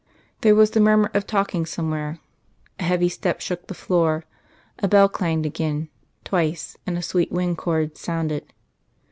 There was the murmur of talking somewhere, a heavy step shook the floor, a bell clanged again, twice, and a sweet wind chord sounded.